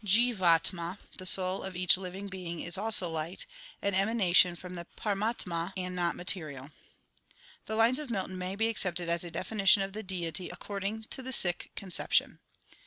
Jlvatama, the soul of each living being, is also light, an emanation from the Paramatama and not material. The lines of Milton may be accepted as a definition of the deity according to the Sikh conception :..